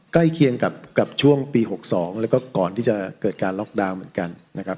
ใกล้เคียงกับช่วงปี๖๒แล้วก็ก่อนที่จะเกิดการล็อกดาวน์เหมือนกันนะครับ